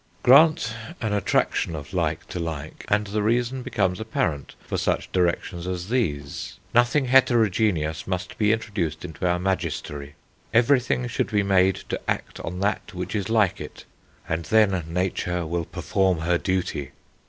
Grant an attraction of like to like, and the reason becomes apparent for such directions as these: "Nothing heterogeneous must be introduced into our magistery"; "Everything should be made to act on that which is like it, and then Nature will perform her duty."